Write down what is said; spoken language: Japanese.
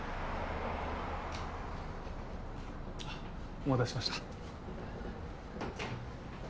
お待たせしました。